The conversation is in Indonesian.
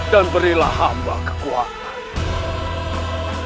dan berilah hamba kekuatan